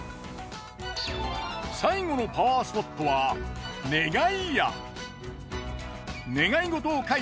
最後のパワースポットは願い矢。